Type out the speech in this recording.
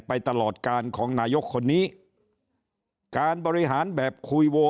ไปตลอดการของนายกคนนี้การบริหารแบบคุยโว